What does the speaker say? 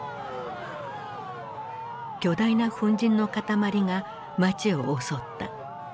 巨大な粉じんの塊が街を襲った。